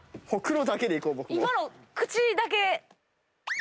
今の口だけ。